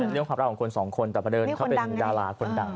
เรื่องความรักของคนสองคนแต่ประเดิมเขาเป็นดาราคนดัง